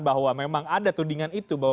bahwa memang ada tudingan itu bahwa